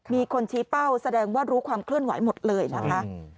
มีคนชี้เป้าแสดงว่ารู้ความเคลื่อนไหวหมดเลยนะคะ